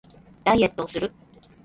ダイエットをする